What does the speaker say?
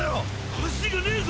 橋がねぇぞ！